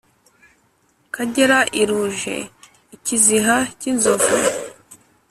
kagera iruje-ikiziha cy'inzovu.